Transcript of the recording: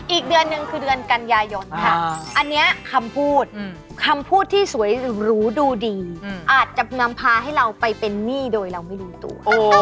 อีกเดือนหนึ่งคือเดือนกันยายนค่ะอันนี้คำพูดคำพูดที่สวยหรือรู้ดูดีอาจจะนำพาให้เราไปเป็นหนี้โดยเราไม่รู้ตัว